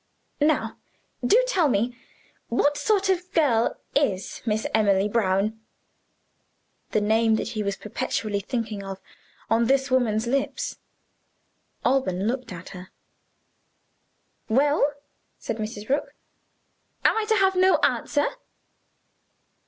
Now do tell me. What sort of girl is Miss Emily Brown?" The name that he was perpetually thinking of on this woman's lips! Alban looked at her. "Well," said Mrs. Rook, "am I to have no answer?